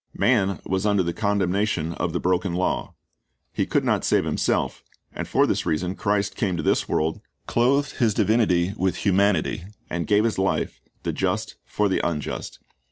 Man was under the condemnation of the broken law. He could not save himself, and for this reason Christ came to this world, clothed His divinity with humanity, and gave His life, the just for the unjust.